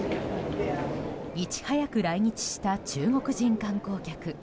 いち早く来日した中国人観光客。